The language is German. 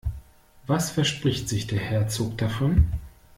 Was verspricht sich der Herzog davon?